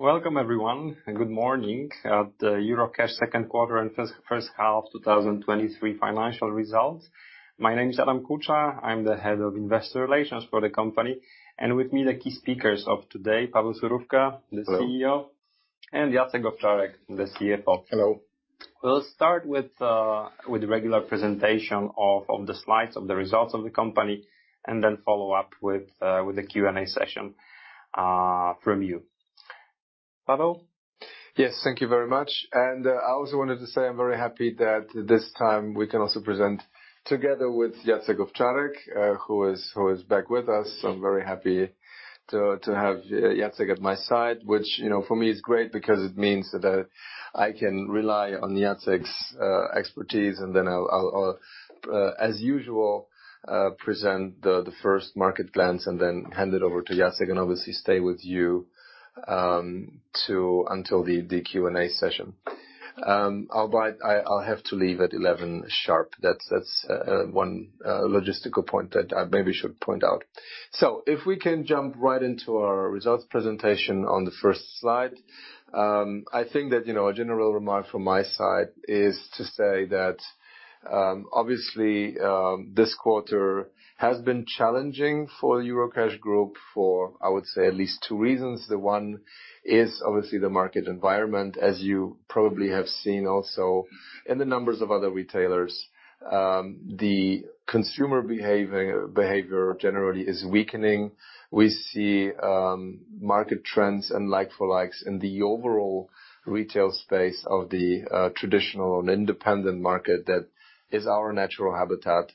Welcome, everyone, and good morning at the Eurocash second quarter and first half of 2023 financial results. My name is Adam Kucza. I'm the Head of Investor Relations for the company, and with me, the key speakers of today, Paweł Surówka, the CEO- Hello. Jacek Owczarek, the CFO. Hello. We'll start with the regular presentation of the slides of the results of the company, and then follow up with a Q&A session from you. Paweł? Yes, thank you very much. I also wanted to say I'm very happy that this time we can also present together with Jacek Owczarek, who is back with us. I'm very happy to have Jacek at my side, which, you know, for me, is great because it means that I can rely on Jacek's expertise. Then I'll, as usual, present the first market glance and then hand it over to Jacek and obviously stay with you to until the Q&A session. Albeit I'll have to leave at 11:00 A.M. sharp. That's one logistical point that I maybe should point out. So if we can jump right into our results presentation on the first slide. I think that, you know, a general remark from my side is to say that, obviously, this quarter has been challenging for the Eurocash Group, for, I would say, at least two reasons. The one is obviously the market environment. As you probably have seen also in the numbers of other retailers, the consumer behavior generally is weakening. We see, market trends and like-for-likes in the overall retail space of the, traditional and independent market that is our natural habitat,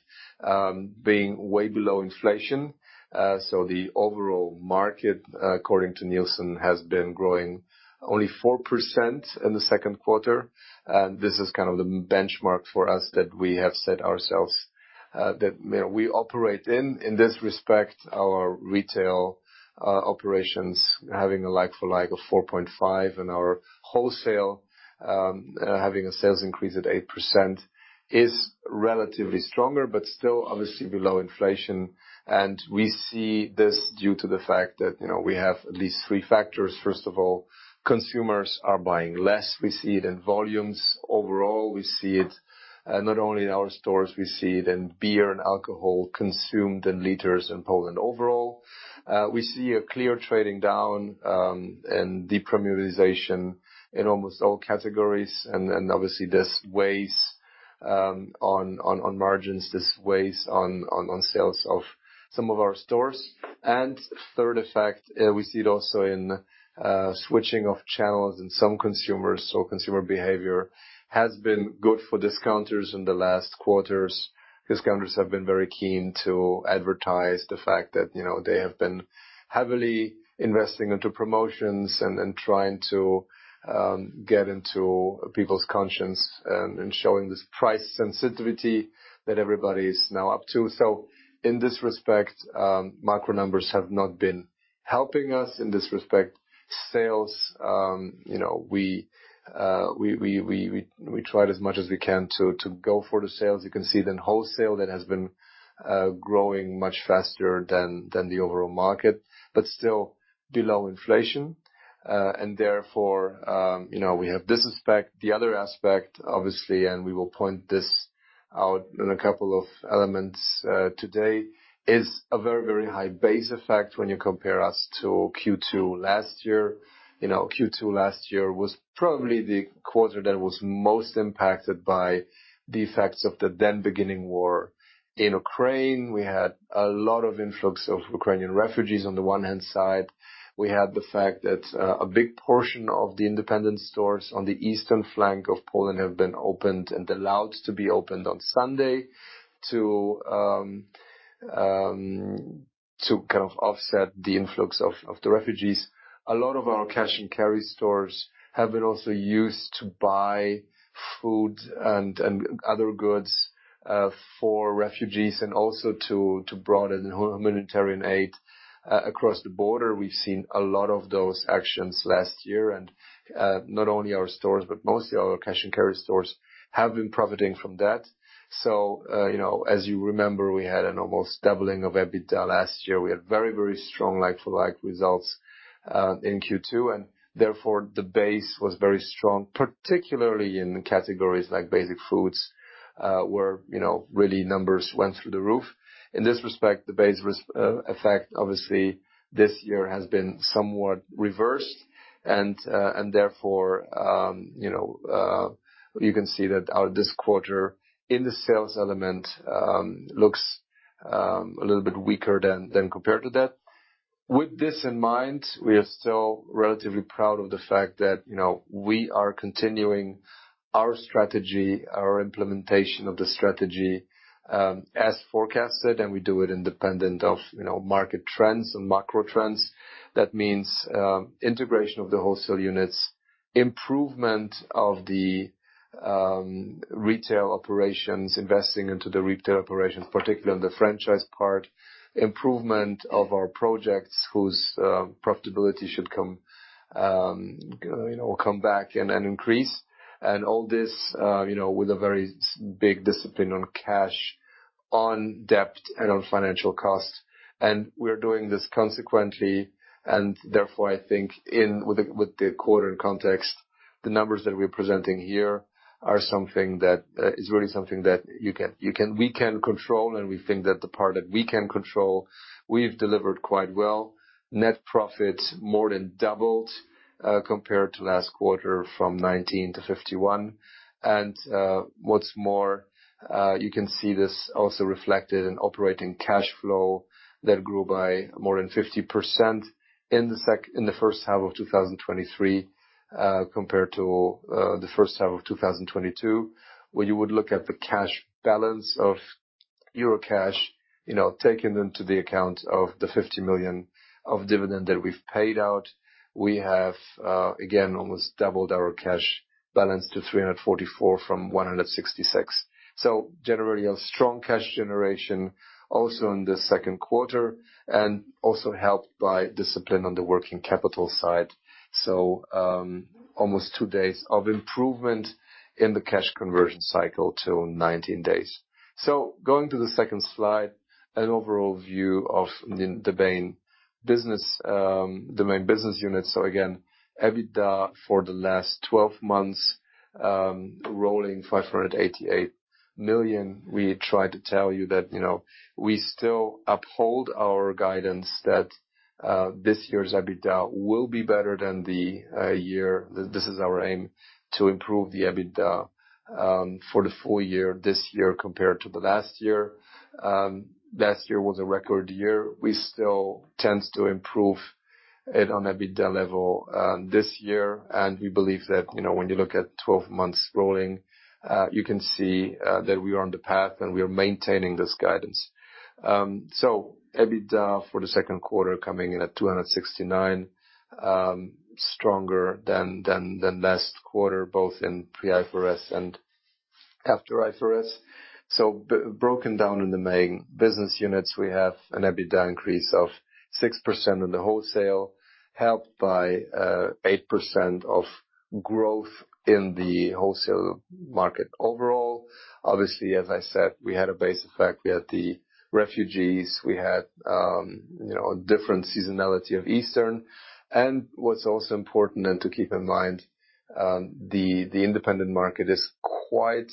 being way below inflation. So the overall market, according to Nielsen, has been growing only 4% in the second quarter, and this is kind of the benchmark for us that we have set ourselves, that, you know, we operate in. In this respect, our retail operations, having a like-for-like of 4.5% and our wholesale, having a sales increase at 8%, is relatively stronger, but still obviously below inflation. We see this due to the fact that, you know, we have at least three factors. First of all, consumers are buying less. We see it in volumes overall. We see it, not only in our stores, we see it in beer and alcohol consumed in liters in Poland overall. We see a clear trading down, and depremiumization in almost all categories, and then, obviously, this weighs on margins, this weighs on sales of some of our stores. Third effect, we see it also in, switching of channels in some consumers. So consumer behavior has been good for discounters in the last quarters. Discounters have been very keen to advertise the fact that, you know, they have been heavily investing into promotions and trying to get into people's conscience and showing this price sensitivity that everybody is now up to. So in this respect, macro numbers have not been helping us. In this respect, sales, you know, we tried as much as we can to go for the sales. You can see then wholesale that has been growing much faster than the overall market, but still below inflation. And therefore, you know, we have this aspect. The other aspect, obviously, and we will point this out in a couple of elements today, is a very, very high base effect when you compare us to Q2 last year. You know, Q2 last year was probably the quarter that was most impacted by the effects of the then beginning war in Ukraine. We had a lot of influx of Ukrainian refugees on the one hand side. We had the fact that a big portion of the independent stores on the eastern flank of Poland have been opened and allowed to be opened on Sunday to kind of offset the influx of the refugees. A lot of our cash and carry stores have been also used to buy food and other goods for refugees and also to broaden humanitarian aid across the border. We've seen a lot of those actions last year, and not only our stores, but mostly our cash and carry stores, have been profiting from that. So, you know, as you remember, we had an almost doubling of EBITDA last year. We had very, very strong like-for-like results in Q2, and therefore, the base was very strong, particularly in the categories like basic foods, where, you know, really numbers went through the roof. In this respect, the base effect, obviously, this year has been somewhat reversed and, and therefore, you know, you can see that, this quarter in the sales element, looks a little bit weaker than, than compared to that. With this in mind, we are still relatively proud of the fact that, you know, we are continuing our strategy, our implementation of the strategy, as forecasted, and we do it independent of, you know, market trends and macro trends. That means, integration of the wholesale units, improvement of the retail operations, investing into the retail operations, particularly on the franchise part, improvement of our projects, whose profitability should come, you know, come back and, and increase. All this, you know, with a very big discipline on cash, on debt, and on financial costs. We're doing this consequently, and therefore, I think, with the quarter in context, the numbers that we're presenting here are something that is really something that you can, you can, we can control, and we think that the part that we can control, we've delivered quite well. Net profit more than doubled, compared to last quarter from 19-51. What's more, you can see this also reflected in operating cash flow that grew by more than 50% in the first half of 2023, compared to the first half of 2022. When you would look at the cash balance of your cash, you know, taking into the account of the 50 million of dividend that we've paid out, we have again almost doubled our cash balance to 344 from 166. So generally, a strong cash generation also in the second quarter, and also helped by discipline on the working capital side. So almost two days of improvement in the cash conversion cycle to 19 days. So going to the second slide, an overall view of the main business unit. So again, EBITDA for the last twelve months, rolling 588 million. We tried to tell you that, you know, we still uphold our guidance that, this year's EBITDA will be better than the, year. This is our aim, to improve the EBITDA, for the full year, this year compared to the last year. Last year was a record year. We still tends to improve it on EBITDA level, this year, and we believe that, you know, when you look at twelve months rolling, you can see, that we are on the path, and we are maintaining this guidance. So EBITDA for the second quarter, coming in at 269 million, stronger than last quarter, both in pre-IFRS and after IFRS. So broken down in the main business units, we have an EBITDA increase of 6% in the wholesale, helped by 8% of growth in the wholesale market overall. Obviously, as I said, we had a base effect. We had the refugees, we had you know, a different seasonality of Easter. And what's also important and to keep in mind, the independent market is quite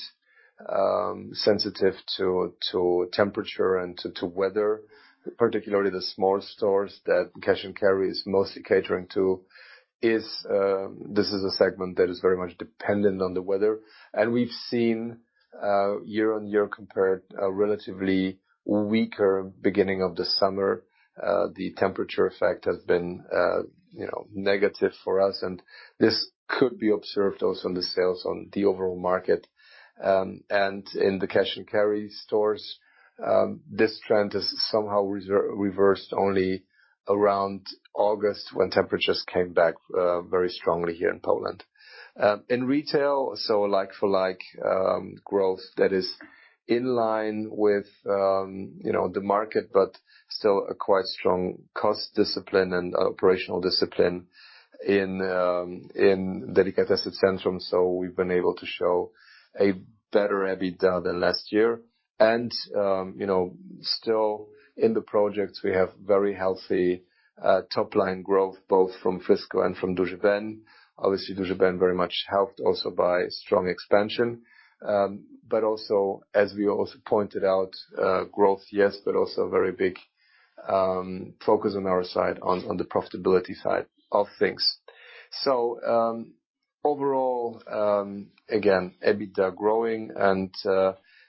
sensitive to temperature and to weather, particularly the small stores that Cash&Carry is mostly catering to, this is a segment that is very much dependent on the weather. And we've seen year-on-year compared, a relatively weaker beginning of the summer. The temperature effect has been you know, negative for us, and this could be observed also on the sales on the overall market. In the Cash&Carry stores, this trend is somehow reversed only around August, when temperatures came back very strongly here in Poland. In retail, so like for like growth that is in line with, you know, the market, but still a quite strong cost discipline and operational discipline in Delikatesy Centrum. So we've been able to show a better EBITDA than last year. And, you know, still in the projects, we have very healthy top line growth, both from Frisco and from Duży Ben. Obviously, Duży Ben very much helped also by strong expansion. But also, as we also pointed out, growth, yes, but also a very big focus on our side, on the profitability side of things. So, overall, again, EBITDA growing, and,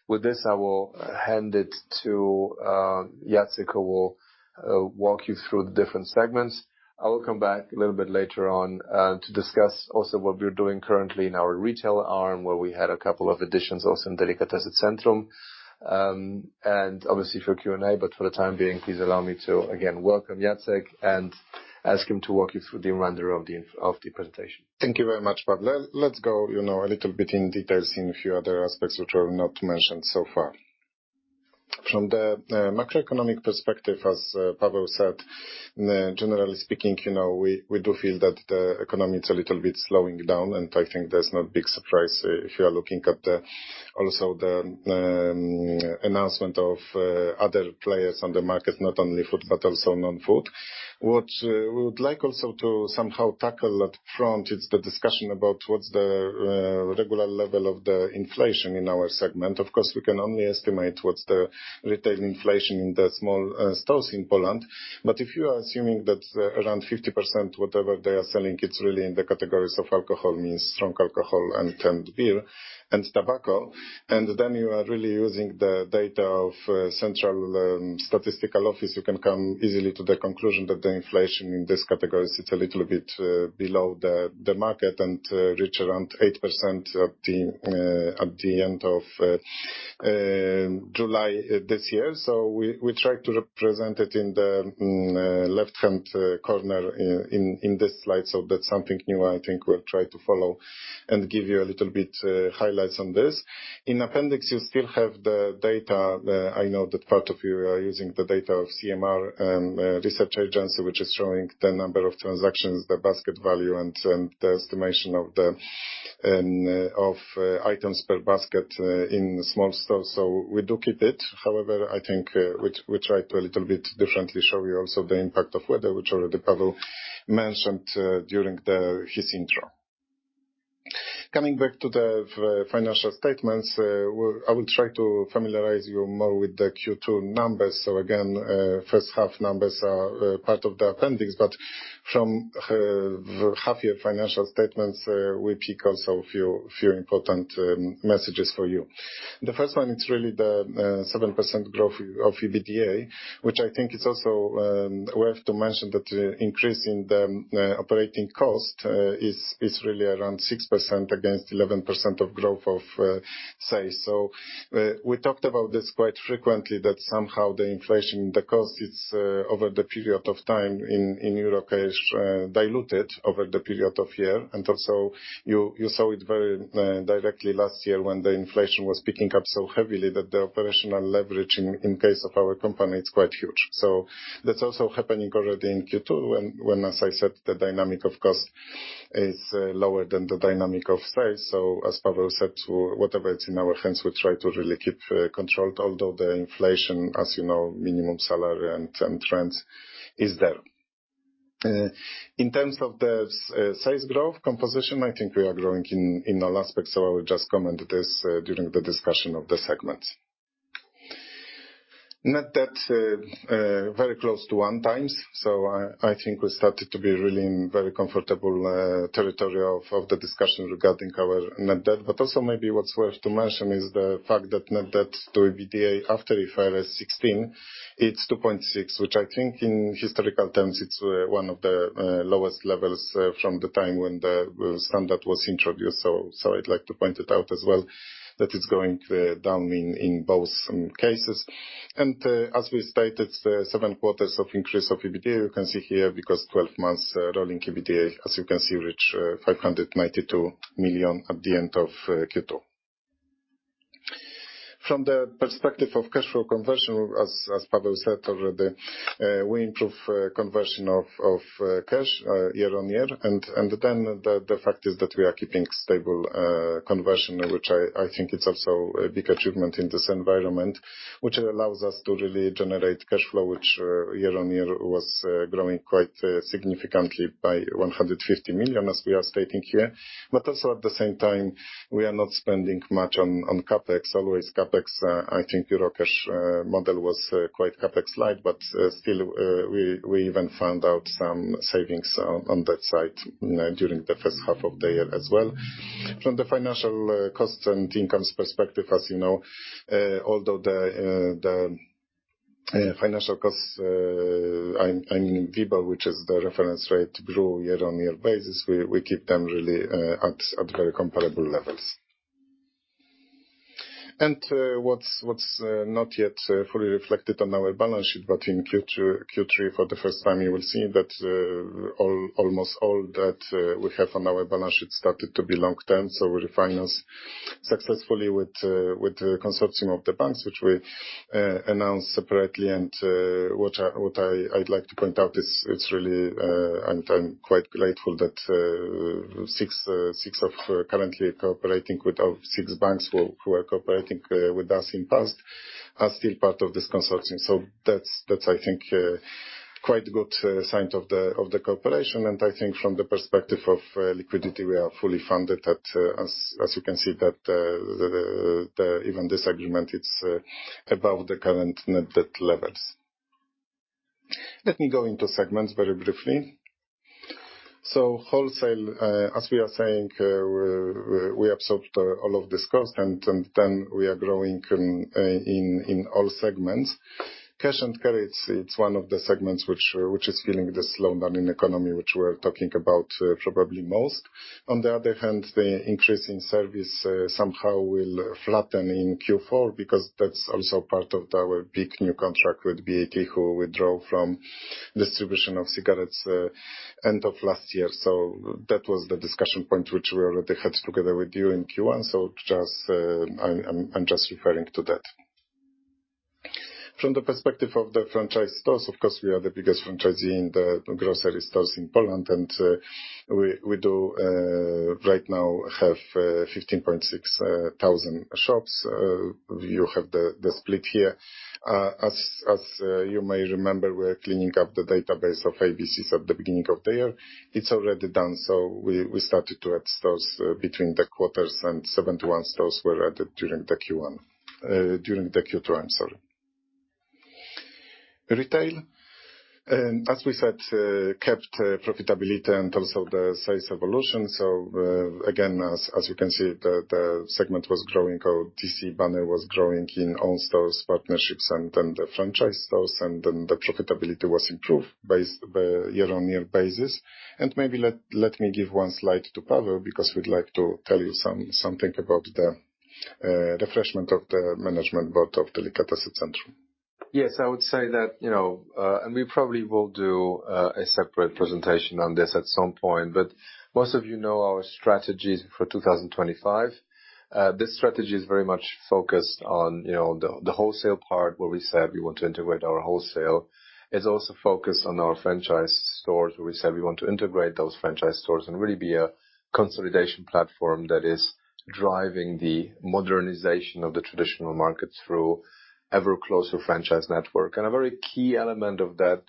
with this, I will hand it to, Jacek, who will, walk you through the different segments. I will come back a little bit later on, to discuss also what we're doing currently in our retail arm, where we had a couple of additions also in Delikatesy Centrum, and obviously for Q&A. But for the time being, please allow me to again welcome Jacek and ask him to walk you through the remainder of the presentation. Thank you very much, Paweł. Let's go, you know, a little bit in details in a few other aspects which are not mentioned so far. From the macroeconomic perspective, as Paweł said, generally speaking, you know, we do feel that the economy is a little bit slowing down, and I think that's not big surprise if you are looking at the, also the, announcement of other players on the market, not only food, but also non-food. What we would like also to somehow tackle up front, it's the discussion about what's the regular level of the inflation in our segment. Of course, we can only estimate what's the retail inflation in the small stores in Poland, but if you are assuming that around 50%, whatever they are selling, it's really in the categories of alcohol, means strong alcohol and canned beer and tobacco, and then you are really using the data of Central Statistical Office, you can come easily to the conclusion that the inflation in this category sits a little bit below the market and reach around 8% at the end of July this year. So we try to represent it in the left-hand corner in this slide. So that's something new I think we'll try to follow and give you a little bit highlights on this. In appendix, you still have the data. I know that part of you are using the data of CMR, research agency, which is showing the number of transactions, the basket value, and, the estimation of the items per basket in small stores. So we do keep it. However, I think, we try to a little bit differently show you also the impact of weather, which already Paweł mentioned, during his intro.... Coming back to the financial statements, I will try to familiarize you more with the Q2 numbers. So again, first half numbers are part of the appendix, but from the half year financial statements, we pick also a few important messages for you. The first one, it's really the 7% growth of EBITDA, which I think is also worth to mention, that the increase in the operating cost is really around 6% against 11% of growth of sales. So we talked about this quite frequently, that somehow the inflation, the cost, it's over the period of time in Eurocash diluted over the period of year. And also, you saw it very directly last year when the inflation was picking up so heavily that the operational leverage in case of our company, it's quite huge. So that's also happening already in Q2, when, as I said, the dynamic of cost is lower than the dynamic of sales. So as Paweł said, whatever it's in our hands, we try to really keep controlled, although the inflation, as you know, minimum salary and trends is there. In terms of the sales growth composition, I think we are growing in all aspects, so I will just comment this during the discussion of the segment. Net debt very close to one times, so I think we started to be really in very comfortable territory of the discussion regarding our net debt. But also, maybe what's worth to mention is the fact that net debt to EBITDA after IFRS 16, it's 2.6, which I think in historical terms, it's one of the lowest levels from the time when the standard was introduced. So, I'd like to point it out as well, that it's going down in both cases. As we stated, seven quarters of increase of EBITDA, you can see here, because 12 months rolling EBITDA, as you can see, reach 592 million at the end of Q2. From the perspective of cash flow conversion, as Paweł But also, at the same time, we are not spending much on CapEx. Always CapEx, I think Eurocash model was quite CapEx-light, but still, we even found out some savings on that side during the first half of the year as well. From the financial costs and incomes perspective, as you know, although the financial costs, I mean, WIBOR, which is the reference rate, grew year-on-year basis, we keep them really at very comparable levels. And what's not yet fully reflected on our balance sheet, but in Q2, Q3, for the first time, you will see that almost all that we have on our balance sheet started to be long-term. So we refinance successfully with the consortium of the banks, which we announced separately. And what I'd like to point out is, it's really, and I'm quite grateful that 6 of our currently cooperating banks who are cooperating with us in the past are still part of this consortium. So that's, I think, quite a good sign of the cooperation. And I think from the perspective of liquidity, we are fully funded, as you can see, that even this agreement, it's above the current net debt levels. Let me go into segments very briefly. So wholesale, as we are saying, we absorbed all of this cost, and then we are growing in all segments. Cash & Carry, it's one of the segments which is feeling the slowdown in economy, which we're talking about, probably most. On the other hand, the increase in service somehow will flatten in Q4, because that's also part of our big new contract with BAT, who withdraw from distribution of cigarettes end of last year. So that was the discussion point, which we already had together with you in Q1. So just... I'm just referring to that. From the perspective of the franchise stores, of course, we are the biggest franchisee in the grocery stores in Poland, and we do right now have 15.6 thousand shops. You have the split here. As you may remember, we're cleaning up the database of ABCs at the beginning of the year. It's already done, so we, we started to add stores between the quarters, and 71 stores were added during the Q1, during the Q2, I'm sorry. Retail, and as we said, kept profitability and also the sales evolution. So, again, as, as you can see, the, the segment was growing, our DC banner was growing in own stores, partnerships, and then the franchise stores, and then the profitability was improved base- year-on-year basis. And maybe let, let me give one slide to Paweł, because we'd like to tell you something about the refreshment of the management board of Delikatesy Centrum. Yes, I would say that, you know, and we probably will do a separate presentation on this at some point, but most of you know our strategies for 2025. This strategy is very much focused on, you know, the wholesale part, where we said we want to integrate our wholesale. It's also focused on our franchise stores, where we said we want to integrate those franchise stores and really be a consolidation platform that is driving the modernization of the traditional market through ever closer franchise network. And a very key element of that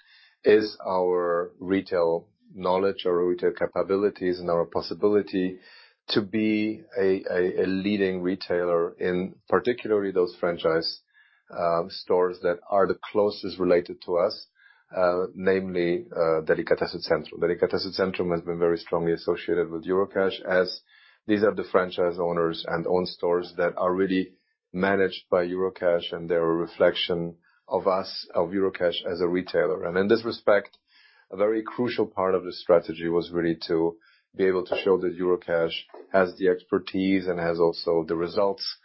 is our retail knowledge, our retail capabilities, and our possibility to be a leading retailer in particularly those franchise stores that are the closest related to us, namely Delikatesy Centrum. Delikatesy Centrum has been very strongly associated with Eurocash, as these are the franchise owners and owned stores that are really managed by Eurocash, and they're a reflection of us, of Eurocash, as a retailer. In this respect, a very crucial part of the strategy was really to be able to show that Eurocash has the expertise and has also the results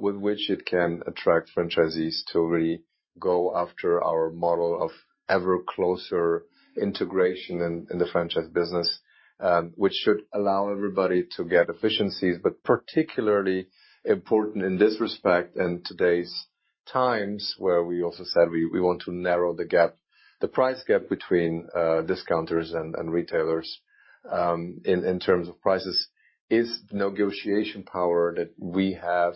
with which it can attract franchisees to really go after our model of ever closer integration in the franchise business, which should allow everybody to get efficiencies, but particularly important in this respect, in today's times, where we also said we want to narrow the gap, the price gap between discounters and retailers in terms of prices, is negotiation power that we have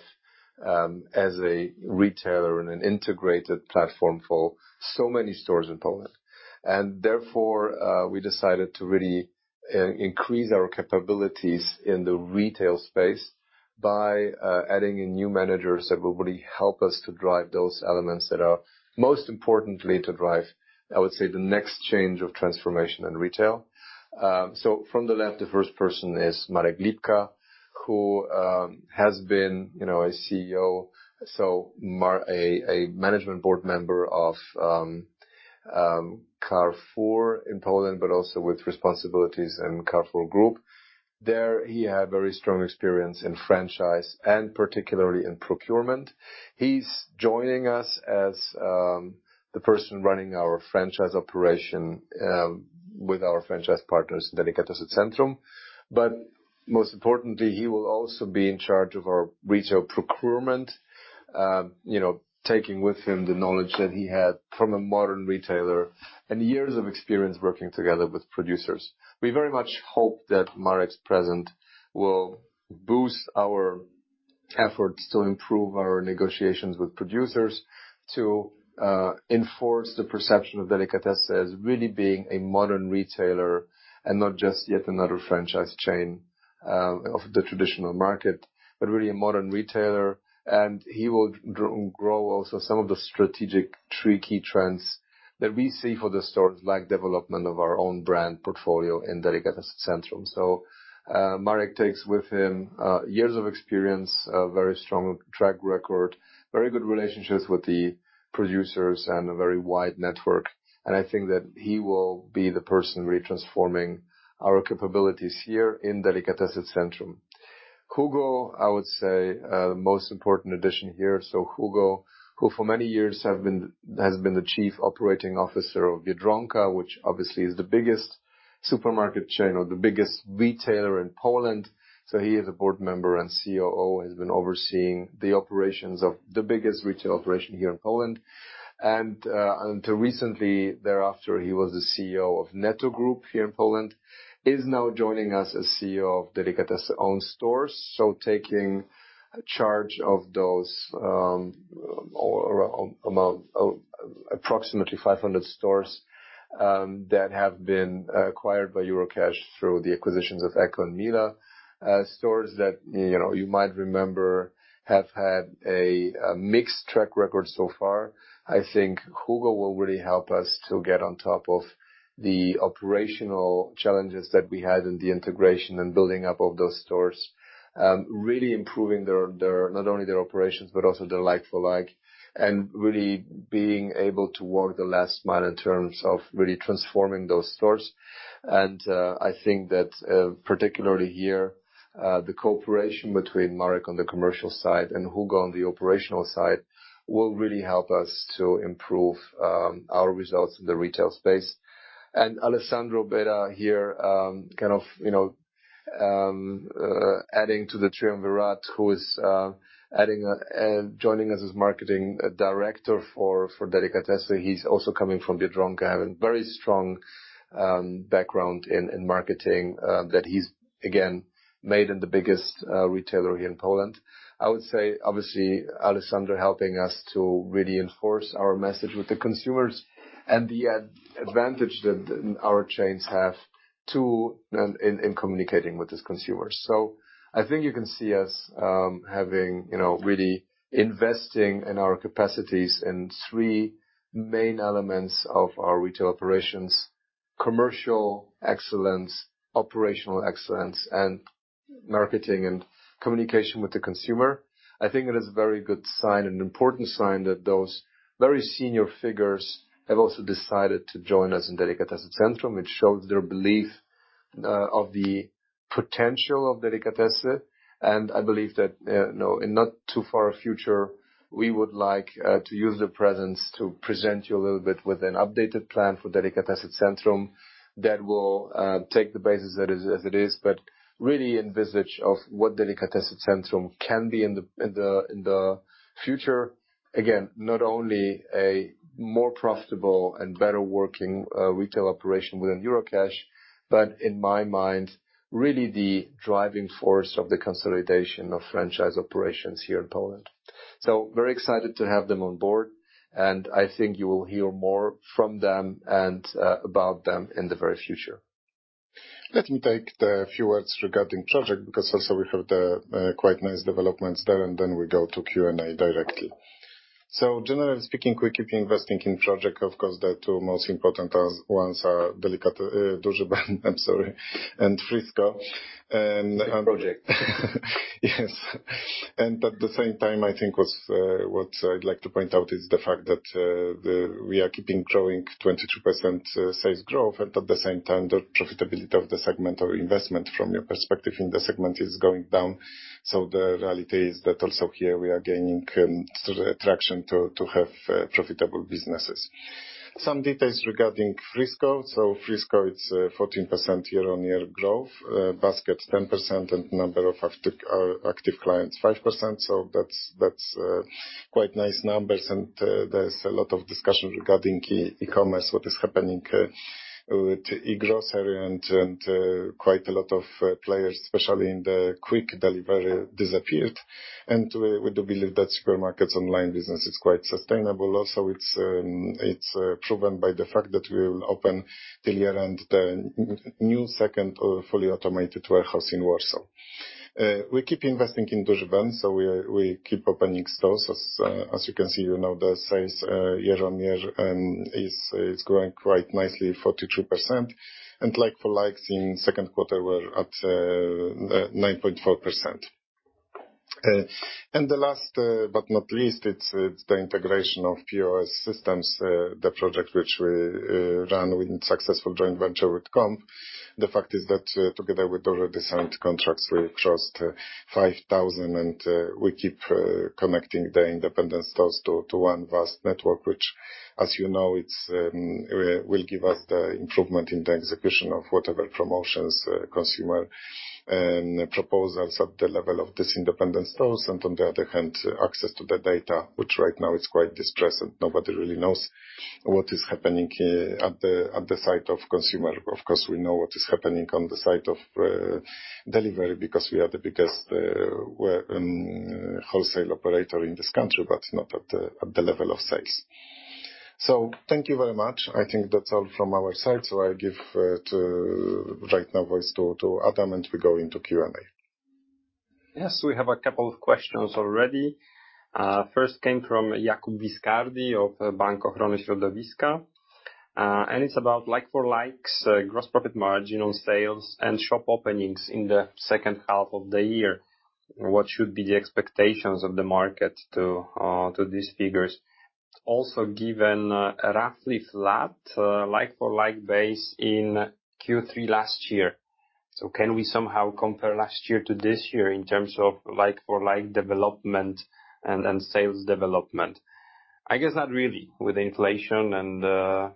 as a retailer and an integrated platform for so many stores in Poland. And therefore, we decided to really increase our capabilities in the retail space by adding in new managers that will really help us to drive those elements that are most importantly to drive, I would say, the next change of transformation in retail. So from the left, the first person is Marek Lipka, who has been, you know, a CEO, so a management board member of Carrefour in Poland, but also with responsibilities in Carrefour Group. There, he had very strong experience in franchise and particularly in procurement. He's joining us as the person running our franchise operation with our franchise partners, Delikatesy Centrum. But most importantly, he will also be in charge of our retail procurement, you know, taking with him the knowledge that he had from a modern retailer and years of experience working together with producers. We very much hope that Marek's presence will boost our efforts to improve our negotiations with producers, to enforce the perception of Delikatesy as really being a modern retailer and not just yet another franchise chain of the traditional market, but really a modern retailer. And he will grow also some of the strategic three key trends that we see for the stores, like development of our own brand portfolio in Delikatesy Centrum. So, Marek takes with him years of experience, a very strong track record, very good relationships with the producers, and a very wide network. I think that he will be the person really transforming our capabilities here in Delikatesy Centrum. Hugo, I would say, the most important addition here, so Hugo, who for many years have been, has been the Chief Operating Officer of Biedronka, which obviously is the biggest supermarket chain or the biggest retailer in Poland. So he is a board member and COO, has been overseeing the operations of the biggest retail operation here in Poland. Until recently, thereafter, he was the CEO of Netto Group here in Poland. He's now joining us as CEO of Delikatesy own stores, so taking charge of those, approximately 500 stores, that have been acquired by Eurocash through the acquisitions of EKO and Mila. Stores that, you know, you might remember, have had a, a mixed track record so far. I think Hugo will really help us to get on top of the operational challenges that we had in the integration and building up of those stores. Really improving their, their, not only their operations, but also their like-for-like, and really being able to walk the last mile in terms of really transforming those stores. And I think that, particularly here, the cooperation between Marek on the commercial side and Hugo on the operational side, will really help us to improve our results in the retail space. And Alessandro Beda here, kind of, you know, adding to the triumvirate, who is adding joining us as marketing director for Delikatesy. He's also coming from Biedronka, having very strong background in marketing that he's again made in the biggest retailer here in Poland. I would say, obviously, Alessandro helping us to really enforce our message with the consumers and the advantage that our chains have to... in communicating with these consumers. So I think you can see us, having, you know, really investing in our capacities in three main elements of our retail operations: commercial excellence, operational excellence, and marketing and communication with the consumer. I think it is a very good sign and an important sign that those very senior figures have also decided to join us in Delikatesy Centrum, which shows their belief of the potential of Delikatesy. And I believe that, no, in not too far future, we would like to use the presence to present you a little bit with an updated plan for Delikatesy Centrum that will take the basis as it, as it is, but really envisage of what Delikatesy Centrum can be in the, in the, in the future.... Again, not only a more profitable and better working retail operation within Eurocash, but in my mind, really the driving force of the consolidation of franchise operations here in Poland. So very excited to have them on board, and I think you will hear more from them and about them in the very future. Let me take the few words regarding project, because also we have the quite nice developments there, and then we go to Q&A directly. So generally speaking, we keep investing in project. Of course, the two most important ones are Delikat-, Duży, I'm sorry, and Frisco. And- Big project. Yes. And at the same time, I think what what I'd like to point out is the fact that we are keeping growing 22% sales growth, and at the same time, the profitability of the segment or investment from your perspective in the segment is going down. So the reality is that also here we are gaining traction to have profitable businesses. Some details regarding Frisco. So Frisco, it's 14% year-on-year growth, basket 10%, and number of active active clients 5%, so that's quite nice numbers. And there's a lot of discussion regarding e-commerce, what is happening with e-grocery and quite a lot of players, especially in the quick delivery, disappeared. And we do believe that supermarkets online business is quite sustainable. Also, it's proven by the fact that we will open this year and the new second fully automated warehouse in Warsaw. We keep investing in Duży, so we keep opening stores. As you can see, you know, the sales year-on-year is growing quite nicely, 42%. And like-for-like in second quarter, we're at 9.4%. And the last but not least, it's the integration of POS systems, the project which we ran with successful joint venture with Comp The fact is that, together with already signed contracts, we crossed 5,000, and we keep connecting the independent stores to one vast network, which, as you know, will give us the improvement in the execution of whatever promotions, consumer, and proposals at the level of this independent stores. On the other hand, access to the data, which right now is quite distressing. Nobody really knows what is happening at the side of consumer. Of course, we know what is happening on the side of delivery because we are the biggest wholesale operator in this country, but not at the level of sales. Thank you very much. I think that's all from our side. I give right now voice to Adam, and we go into Q&A. Yes, we have a couple of questions already. First came from Jakub Viscardi of Bank Ochrony Środowiska, and it's about like for likes, gross profit margin on sales and shop openings in the second half of the year. What should be the expectations of the market to these figures? Also, given roughly flat like-for-like base in Q3 last year. So can we somehow compare last year to this year in terms of like-for-like development and sales development? I guess not really, with inflation and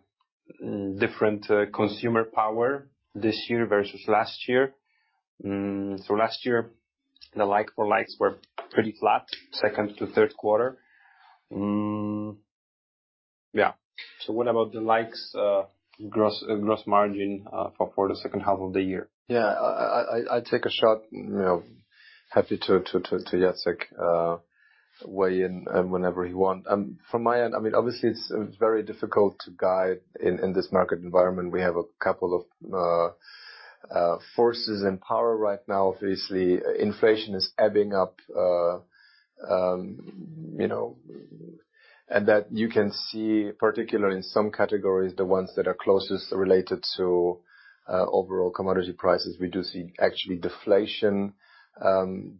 different consumer power this year versus last year. So last year, the like for likes were pretty flat, second to third quarter. Yeah. So what about the likes, gross margin for the second half of the year? Yeah. I'd take a shot, you know, happy to Jacek weigh in whenever he want. From my end, I mean, obviously, it's very difficult to guide in this market environment. We have a couple of forces in power right now. Obviously, inflation is ebbing up, you know, and that you can see, particularly in some categories, the ones that are closest related to overall commodity prices, we do see actually deflation.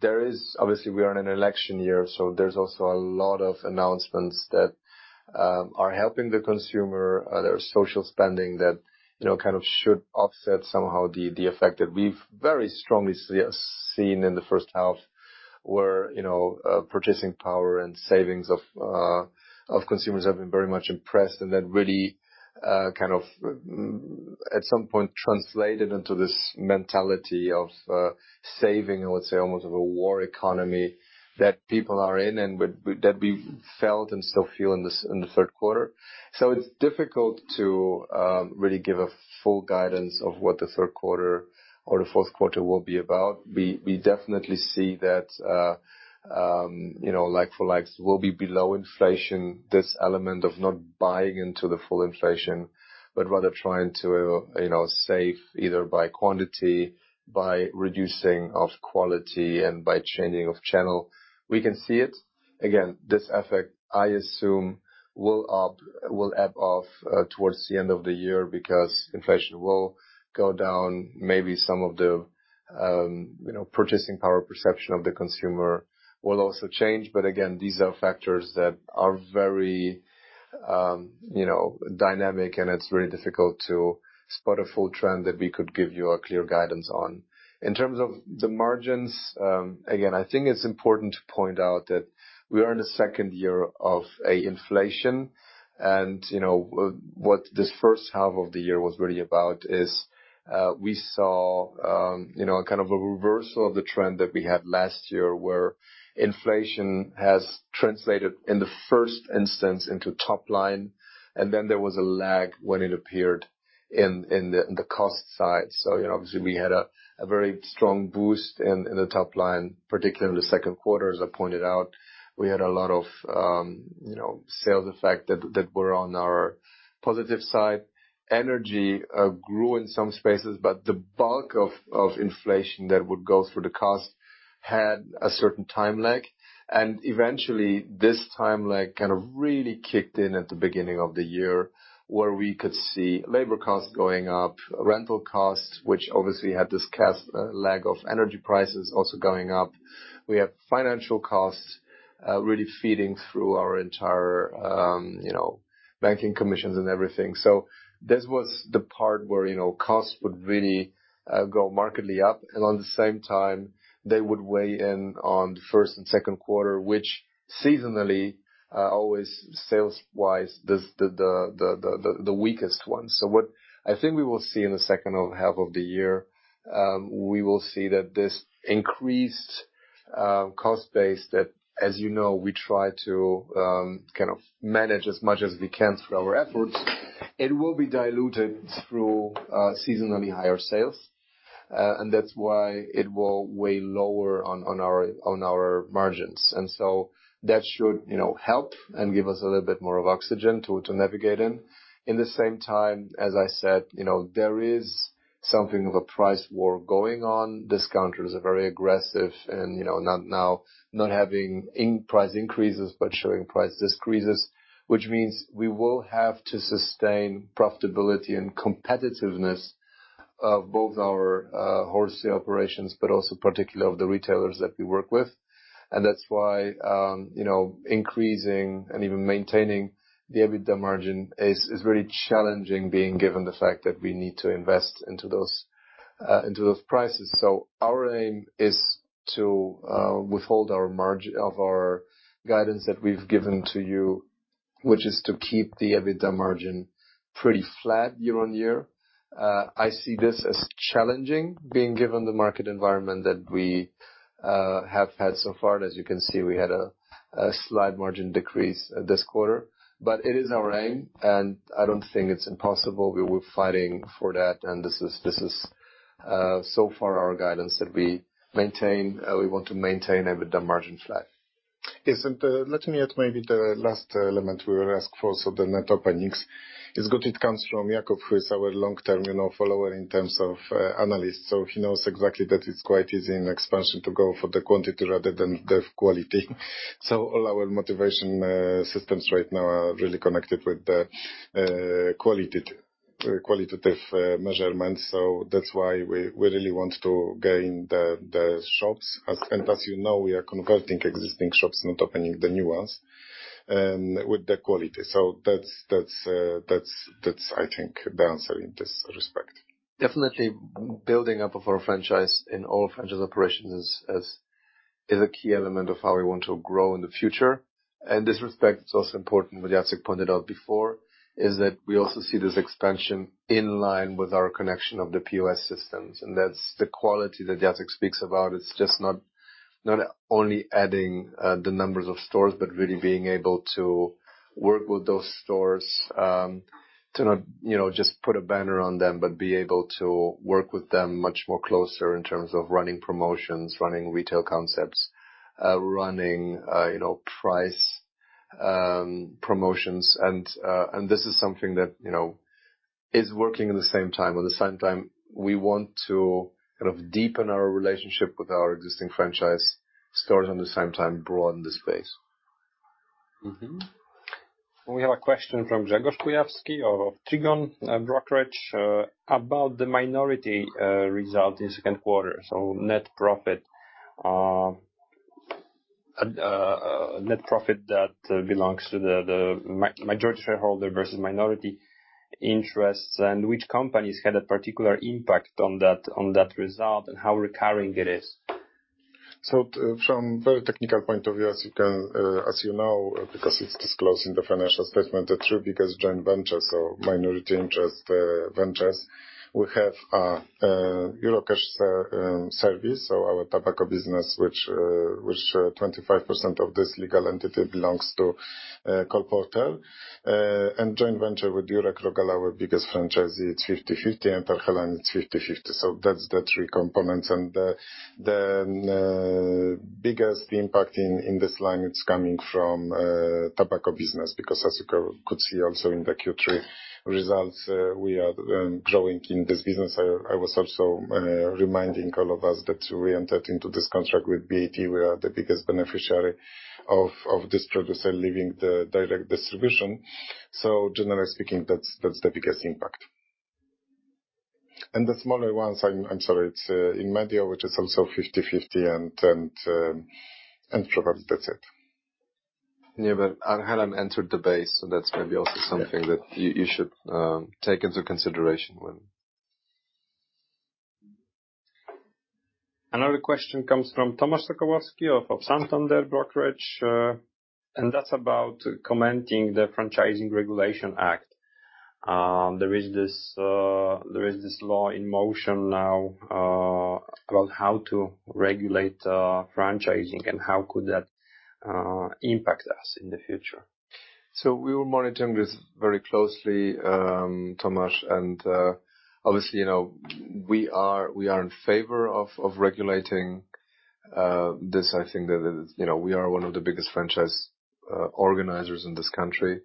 There is. Obviously, we are in an election year, so there's also a lot of announcements that are helping the consumer. There's social spending that, you know, kind of should offset somehow the effect that we've very strongly seen in the first half, where, you know, purchasing power and savings of consumers have been very much impressed. And that really, kind of, at some point, translated into this mentality of, saving, I would say, almost of a war economy, that people are in and that be felt and still feel in the, in the third quarter. So it's difficult to, really give a full guidance of what the third quarter or the fourth quarter will be about. We, we definitely see that, you know, like-for-likes, will be below inflation, this element of not buying into the full inflation, but rather trying to, you know, save either by quantity, by reducing of quality, and by changing of channel. We can see it. Again, this effect, I assume, will ebb off, towards the end of the year because inflation will go down, maybe some of the-... You know, purchasing power perception of the consumer will also change. But again, these are factors that are very, you know, dynamic, and it's very difficult to spot a full trend that we could give you a clear guidance on. In terms of the margins, again, I think it's important to point out that we are in the second year of a inflation. And, you know, what this first half of the year was really about is, we saw, you know, a kind of a reversal of the trend that we had last year, where inflation has translated in the first instance into top line, and then there was a lag when it appeared in the cost side. So, you know, obviously, we had a very strong boost in the top line, particularly in the second quarter, as I pointed out. We had a lot of, you know, sales effect that, that were on our positive side. Energy grew in some spaces, but the bulk of inflation that would go through the cost had a certain time lag. And eventually, this time lag kind of really kicked in at the beginning of the year, where we could see labor costs going up, rental costs, which obviously had this cost lag of energy prices also going up. We had financial costs really feeding through our entire, you know, banking commissions and everything. So this was the part where, you know, costs would really go markedly up, and on the same time, they would weigh in on the first and second quarter, which seasonally always sales-wise does the weakest one. So what I think we will see in the second half of the year, we will see that this increased cost base that, as you know, we try to kind of manage as much as we can through our efforts. It will be diluted through seasonally higher sales, and that's why it will weigh lower on our margins. And so that should, you know, help and give us a little bit more of oxygen to navigate in. In the same time, as I said, you know, there is something of a price war going on. Discounters are very aggressive and, you know, not now not having in-price increases, but showing price decreases, which means we will have to sustain profitability and competitiveness of both our wholesale operations, but also particularly of the retailers that we work with. That's why, you know, increasing and even maintaining the EBITDA margin is very challenging, being given the fact that we need to invest into those, into those prices. So our aim is to withhold our margin of our guidance that we've given to you, which is to keep the EBITDA margin pretty flat year-over-year. I see this as challenging, being given the market environment that we have had so far. As you can see, we had a slight margin decrease this quarter, but it is our aim, and I don't think it's impossible. We were fighting for that, and this is so far our guidance that we maintain, we want to maintain EBITDA margin flat. Yes, and let me add maybe the last element we were asked for, so the net openings. It's good it comes from Jakub, who is our long-term, you know, follower in terms of analysts. So he knows exactly that it's quite easy in expansion to go for the quantity rather than the quality. So all our motivation systems right now are really connected with the quality, qualitative measurements, so that's why we really want to gain the shops. And as you know, we are converting existing shops, not opening the new ones, and with the quality. So that's, I think, the answer in this respect. Definitely, building up of our franchise in all franchise operations is a key element of how we want to grow in the future. And this respect, it's also important, what Jacek pointed out before, is that we also see this expansion in line with our connection of the POS systems, and that's the quality that Jacek speaks about. It's just not, not only adding the numbers of stores, but really being able to work with those stores, to not, you know, just put a banner on them, but be able to work with them much more closer in terms of running promotions, running retail concepts, running, you know, price promotions. And, and this is something that, you know, is working at the same time. At the same time, we want to kind of deepen our relationship with our existing franchise stores, at the same time, broaden the space. Mm-hmm. We have a question from Grzegorz Kujawski of Trigon Brokerage, about the minority result in second quarter. So net profit, net profit that belongs to the, the majority shareholder versus minority interests, and which companies had a particular impact on that, on that result, and how recurring it is? So from very technical point of view, as you can, as you know, because it's disclosed in the financial statement, the two biggest joint ventures or minority interest ventures we have, Eurocash Serwis, so our tobacco business, which, which 25% of this legal entity belongs to, Kolporter. And joint venture with Jurek Rogala, our biggest franchisee, it's 50/50, and Arhelan, it's 50/50. So that's the three components. And the, the, biggest impact in, in this line, it's coming from, tobacco business, because as you could see also in the Q3 results, we are, growing in this business. I, I was also, reminding all of us that we entered into this contract with BAT. We are the biggest beneficiary of, of this producer leaving the direct distribution. So generally speaking, that's, that's the biggest impact. And the smaller ones, I'm sorry, it's Inmedio, which is also 50/50, and probably that's it. Yeah, but Helen entered the base, so that's maybe also something that you should take into consideration when. Another question comes from Tomasz Sokołowski of Santander Brokerage, and that's about commenting the Franchising Regulation Act. There is this law in motion now, about how to regulate franchising and how could that impact us in the future. So we were monitoring this very closely, Tomasz, and, obviously, you know, we are, we are in favor of, of regulating, this. I think that, you know, we are one of the biggest franchise, organizers in this country,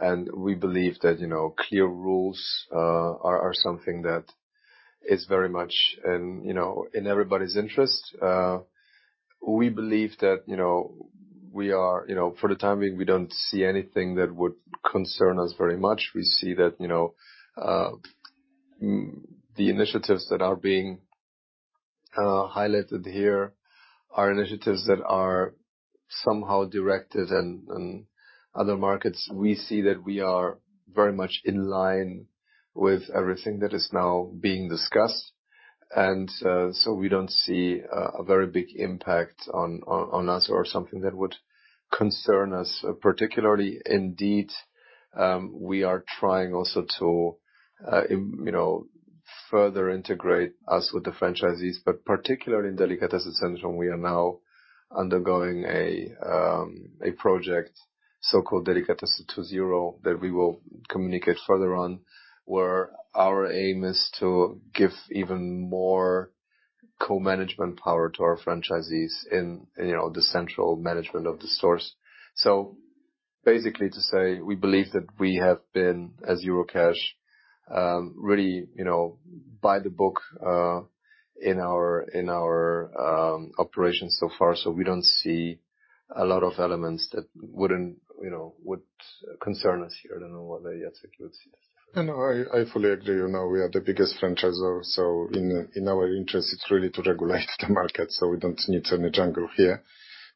and we believe that, you know, clear rules, are, are something that is very much in, you know, in everybody's interest. We believe that, you know, we are... You know, for the time being, we don't see anything that would concern us very much. We see that, you know, the initiatives that are being, highlighted here are initiatives that are somehow directed in, in other markets. We see that we are very much in line with everything that is now being discussed, and so we don't see a very big impact on us or something that would concern us, particularly. Indeed, we are trying also to you know, further integrate us with the franchisees, but particularly in Delikatesy Centrum, we are now undergoing a project, so-called Delikatesy 2.0, that we will communicate further on, where our aim is to give even more co-management power to our franchisees in, you know, the central management of the stores. So basically, to say, we believe that we have been, as Eurocash, really, you know, by the book, in our operations so far, so we don't see a lot of elements that wouldn't, you know, would concern us here. I don't know what Jacek would say. No, I, I fully agree. You know, we are the biggest franchisor, so in, in our interest, it's really to regulate the market, so we don't need any jungle here.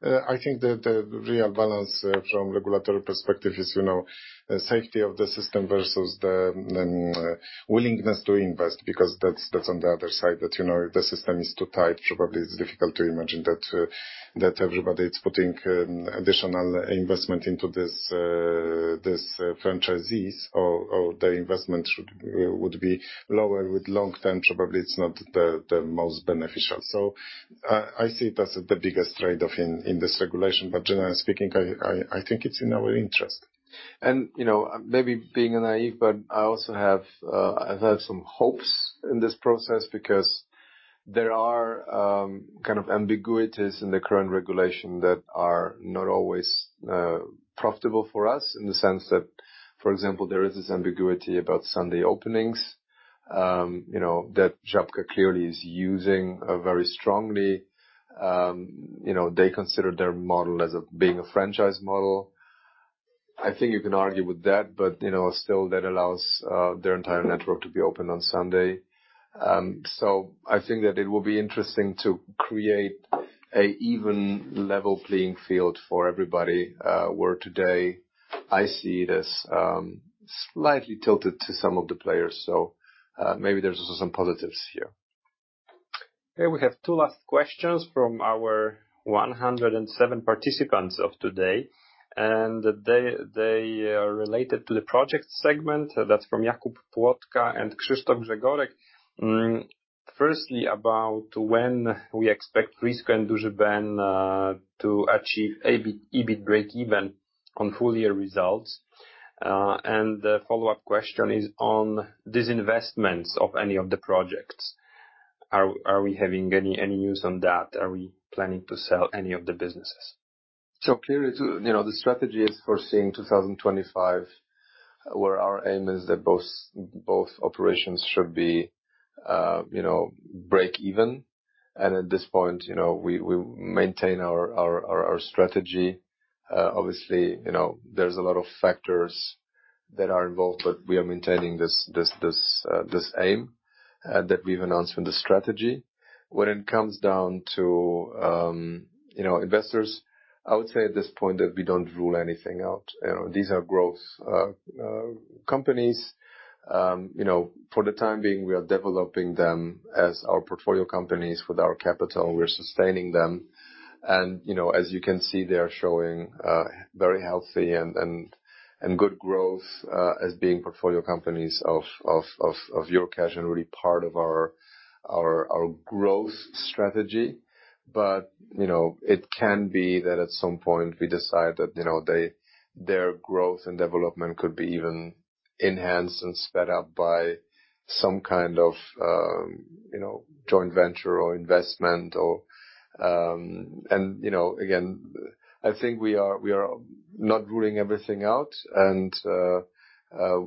I think that the real balance from regulatory perspective is, you know, safety of the system versus the willingness to invest, because that's, that's on the other side, that, you know, if the system is too tight, probably it's difficult to imagine that everybody is putting additional investment into this franchisees, or the investment would be lower with long term, probably it's not the, the most beneficial. So I, I see it as the biggest trade-off in, in this regulation, but generally speaking, I, I, I think it's in our interest. You know, maybe being naive, but I also have, I've had some hopes in this process because there are, kind of ambiguities in the current regulation that are not always, profitable for us in the sense that, for example, there is this ambiguity about Sunday openings, you know, that Żabka clearly is using, very strongly. You know, they consider their model as being a franchise model. I think you can argue with that, but, you know, still, that allows, their entire network to be open on Sunday. So, I think that it will be interesting to create a even level playing field for everybody, where today I see it as, slightly tilted to some of the players. So, maybe there's also some positives here. Okay, we have two last questions from our 107 participants of today, and they are related to the projects segment. That's from Jakub Płotka and Krzysztof Grzegorek. Firstly, about when we expect Frisco and Duży Ben to achieve EBIT breakeven on full year results. And the follow-up question is on disinvestments of any of the projects. Are we having any news on that? Are we planning to sell any of the businesses? So clearly, you know, the strategy is foreseeing 2025, where our aim is that both operations should be, you know, break even. And at this point, you know, we maintain our strategy. Obviously, you know, there's a lot of factors that are involved, but we are maintaining this aim that we've announced in the strategy. When it comes down to, you know, investors, I would say at this point that we don't rule anything out. You know, these are growth companies. You know, for the time being, we are developing them as our portfolio companies. With our capital, we're sustaining them, and, you know, as you can see, they are showing very healthy and good growth as being portfolio companies of Eurocash and really part of our growth strategy. But, you know, it can be that at some point we decide that, you know, their growth and development could be even enhanced and sped up by some kind of, you know, joint venture or investment or... And, you know, again, I think we are not ruling everything out, and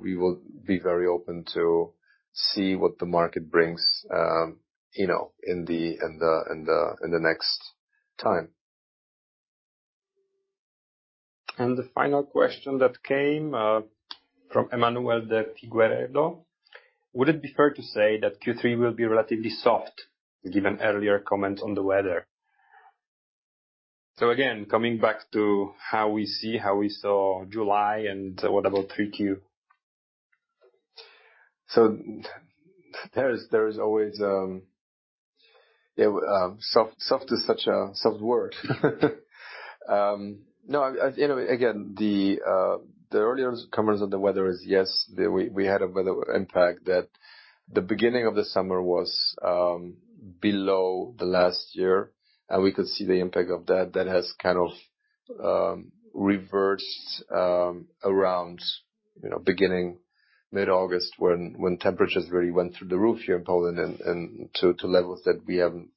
we will be very open to see what the market brings, you know, in the next time.... The final question that came from Emanuel de Figueiredo: Would it be fair to say that Q3 will be relatively soft, given earlier comments on the weather? So again, coming back to how we see, how we saw July, and what about 3Q. So there is always soft, soft is such a soft word. No, I, you know, again, the earlier comments on the weather is, yes, we had a weather impact, that the beginning of the summer was below the last year, and we could see the impact of that. That has kind of reversed around, you know, beginning mid-August, when temperatures really went through the roof here in Poland and to levels that we haven't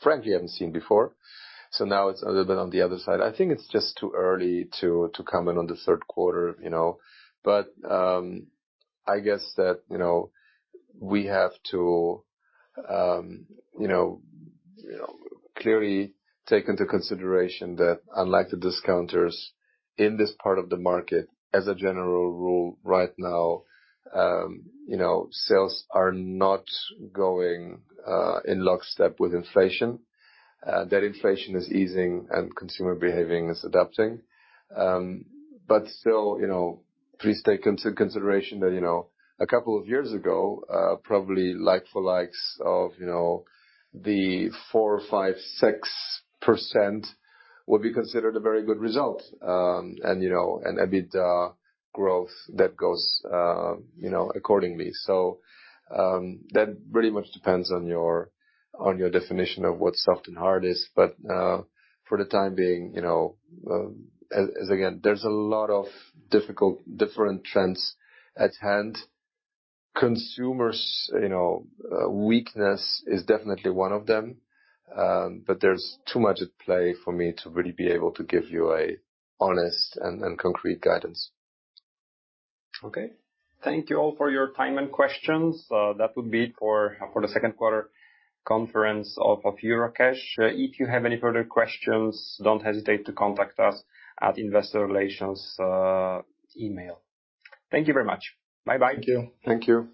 frankly seen before. So now it's a little bit on the other side. I think it's just too early to comment on the third quarter, you know. But, I guess that, you know, we have to, you know, clearly take into consideration that unlike the discounters in this part of the market, as a general rule, right now, you know, sales are not going in lockstep with inflation. That inflation is easing and consumer behavior is adapting. But still, you know, please take into consideration that, you know, a couple of years ago, probably like-for-likes of, you know, the 4, 5, 6% would be considered a very good result. And, you know, and EBITDA growth that goes, you know, accordingly. So, that pretty much depends on your, on your definition of what soft and hard is. But, for the time being, you know, as, as again, there's a lot of difficult, different trends at hand. Consumers, you know, weakness is definitely one of them. But there's too much at play for me to really be able to give you an honest and concrete guidance. Okay. Thank you all for your time and questions. That will be it for the second quarter conference of Eurocash. If you have any further questions, don't hesitate to contact us at investor relations email. Thank you very much. Bye bye. Thank you. Thank you.